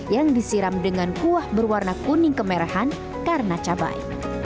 yang disiram dengan kuah berwarna kuning kemerahan karena cabai